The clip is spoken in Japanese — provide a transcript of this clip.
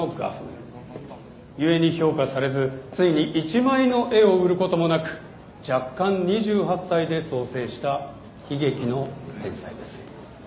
故に評価されずついに一枚の絵を売ることもなく弱冠２８歳で早世した悲劇の天才です。